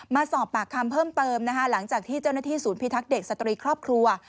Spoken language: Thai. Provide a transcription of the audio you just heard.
มาสอบปากคำเพิ่มเติมนะคะหลังจากที่เจ้าหน้าที่ศูนย์พิทักษ์เด็กสตรีครอบครัว